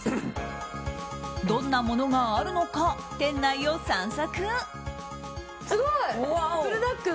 どんなものがあるのか店内を散策。